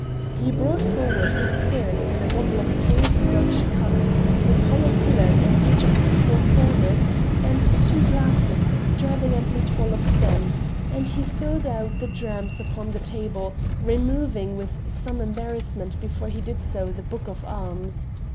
He brought forward his spirits in a bottle of quaint Dutch cut, with hollow pillars at each of its four corners and two glasses extravagantly tall of stem, and he filled out the drams upon the table, removing with some embarrassment before he did so the book of arms.